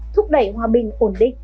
thúc đẩy hòa bình ổn định